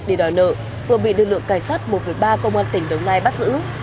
đi đòi nợ vừa bị lực lượng cảnh sát một ba công an tỉnh đồng nai bắt giữ